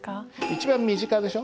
一番身近でしょ。